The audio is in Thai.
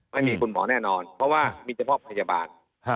ไม่มีคุณหมอแน่นอนเพราะว่ามีเฉพาะพยาบาล